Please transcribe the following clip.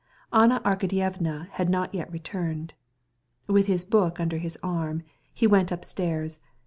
Anna Arkadyevna had not yet come in. With a book under his arm he went upstairs.